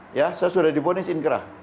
saya sudah diponis inkrah